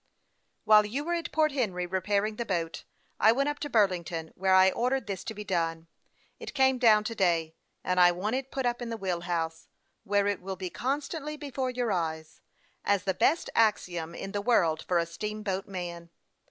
" While you were at Port Henry, repairing the boat, I went up to Burlington, where I ordered this to be done. It came down to day, and I want it put up in the wheel house, where it will be constantly before your eyes, as the best axiom in the world for a steamboat man.